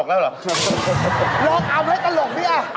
ลองอำอะไรตลกดิอ่ะ